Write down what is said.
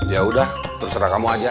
yaudah terserah kamu aja